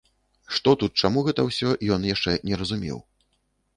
Што тут чаму гэта ўсё, ён яшчэ не разумеў.